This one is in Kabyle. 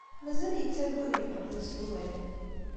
Mazal yettargu ad yeqqel d aselway?